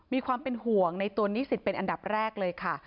มีความเป็นห่วงในตัวนิสิตเป็นอันดับแรกเลยค่ะ